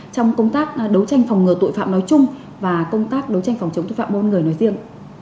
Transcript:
trong công tác đấu tranh phòng ngừa tội phạm nói chung và công tác đấu tranh phòng chống tội phạm buôn người nói riêng